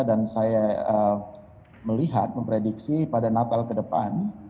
dan saya melihat memprediksi pada natal ke depan